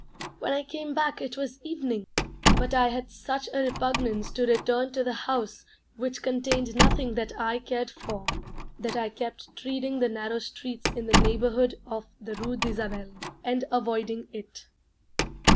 When I came back it was evening, but I had such a repugnance to return to the house which contained nothing that I cared for, that I kept treading the narrow streets in the neighbourhood of the Rue d'Isabelle, and avoiding it.